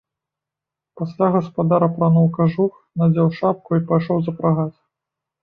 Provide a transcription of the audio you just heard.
Пасля гаспадар апрануў кажух, надзеў шапку і пайшоў запрагаць.